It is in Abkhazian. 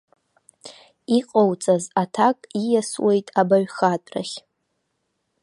Иҟоуҵаз аҭак ииасуеит ибаҩхатәрахь.